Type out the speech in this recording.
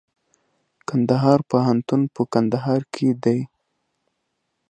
کندهار پوهنتون په کندهار کي دئ.